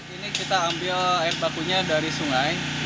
ini kita ambil air bakunya dari sungai